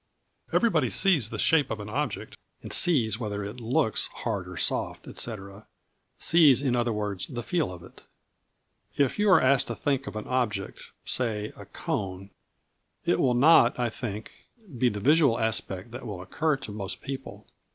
Everybody "sees" the shape of an object, and "sees" whether it "looks" hard or soft, &c. Sees, in other words, the "feel" of it. If you are asked to think of an object, say a cone, it will not, I think, be the visual aspect that will occur to most people.